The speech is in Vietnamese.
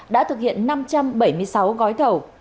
đã thực hiện năm trăm bảy mươi sáu gói thầu